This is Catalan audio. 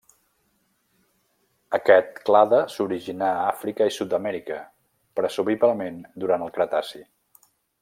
Aquest clade s'originà a Àfrica i Sud-amèrica, presumiblement durant el Cretaci.